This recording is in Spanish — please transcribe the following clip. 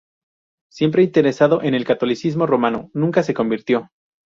Siempre interesado en el catolicismo romano, nunca se convirtió.